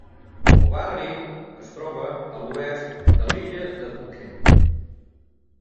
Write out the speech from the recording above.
El barri es troba a l'oest de l'illa de Phuket.